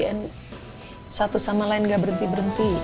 dan satu sama lain tidak berhenti berhenti